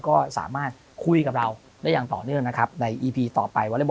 ก็สามารถคุยกับเราได้อย่างต่อเนื่องนะครับ